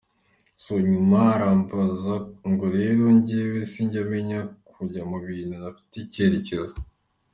So nyuma arambaza ngo rero njyewe sinjya menya kunjya mubintu ntafitiye icyerekezo.